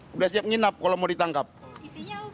sudah siap nginap kalau mau ditangani